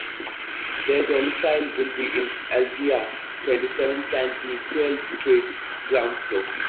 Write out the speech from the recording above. Their domicile will be in Aldiaia, twenty-seven Sant Miquel street, ground floor.